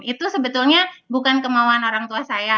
itu sebetulnya bukan kemauan orang tua saya